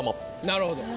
なるほど。